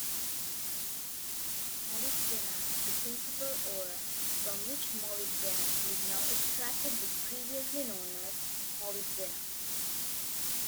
Molybdenite-the principal ore from which molybdenum is now extracted-was previously known as molybdena.